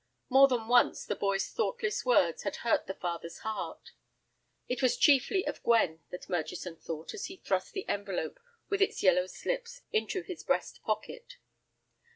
More than once the boy's thoughtless words had hurt the father's heart. It was chiefly of Gwen that Murchison thought as he thrust the envelope with its yellow slips into his breast pocket.